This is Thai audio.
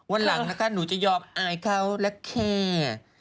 วันหลังนะคะหนูจะยอมอายเขาและแค่